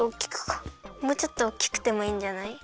もうちょっとおっきくてもいいんじゃない？